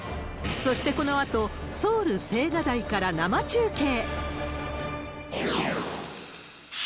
そしてこのあと、ソウル・青瓦台から生中継。